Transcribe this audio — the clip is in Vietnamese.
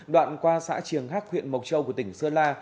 đoạn qua xã trường hắc huyện mộc châu của tỉnh sơn la